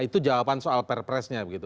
itu jawaban soal perpresnya begitu